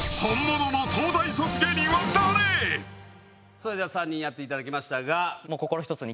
それでは３人やっていただきましたが。